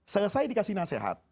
selesai dikasih nasihat